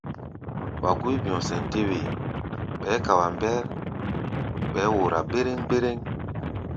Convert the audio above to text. Wa gúí bi̧ɔ̧ sɛn tɛ́ wee, bɛɛ́ ka wa mbɛ́r bɛɛ́ wora béréŋ-béréŋ.